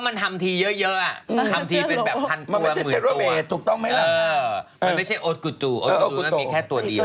มันไม่ใช่แฮลโอเวสมันไม่ใช่โอสกุตุโอสกุตุมันมีแค่ตัวเดียว